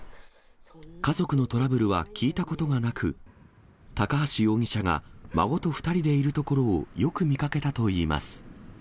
家族のトラブルは聞いたことがなく、高橋容疑者が孫と２人でいるところをよく見かけたといいます。